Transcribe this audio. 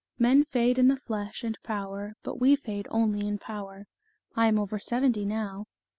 Men fade in the flesh and power, but we fade only in power. I am over seventy now."